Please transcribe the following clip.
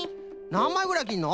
なんまいぐらいきるの？